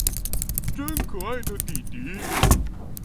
真可愛的底迪